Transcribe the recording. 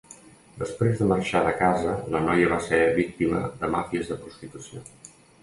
Després de marxar de casa la noia va ser víctima de màfies de prostitució.